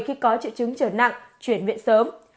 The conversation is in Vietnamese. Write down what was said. khi có triệu chứng trở nặng chuyển viện sớm